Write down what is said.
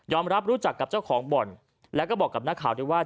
รับรู้จักกับเจ้าของบ่อนแล้วก็บอกกับนักข่าวด้วยว่า